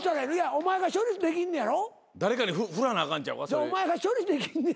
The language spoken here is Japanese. お前が処理できんねやろ？